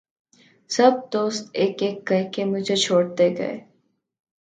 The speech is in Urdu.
سب دوست ایک ایک کرکے مُجھے چھوڑتے گئے